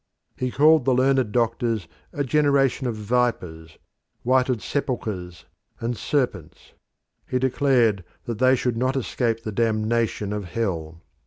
He called the learned doctors a generation of vipers, whited sepulchres, and serpents; he declared that they should not escape the damnation of hell.